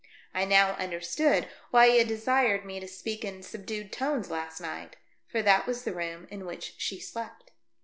I now understood why he had desired me to speak in subdued tones last night, for that was the room in which she slept.